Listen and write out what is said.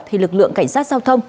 thì lực lượng cảnh sát giao thông